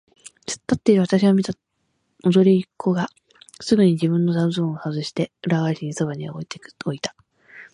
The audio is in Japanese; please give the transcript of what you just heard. つっ立っているわたしを見た踊り子がすぐに自分の座布団をはずして、裏返しにそばへ置いた。